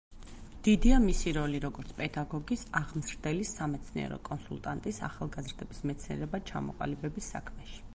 დიდია მისი როლი როგორც პედაგოგის, აღმზრდელის, სამეცნიერო კონსულტანტის ახალგაზრდების მეცნიერებად ჩამოყალიბების საქმეში.